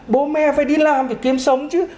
bố mẹ phải đi làm để kiếm sống chứ